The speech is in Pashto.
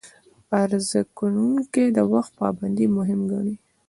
عرضه کوونکي د وخت پابندي مهم ګڼي.